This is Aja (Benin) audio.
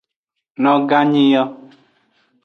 Noganyi yo.